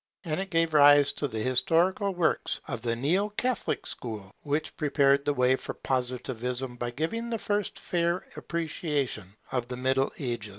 And it gave rise to the historical works of the Neo Catholic school, which prepared the way for Positivism by giving the first fair appreciation of the Middle Ages.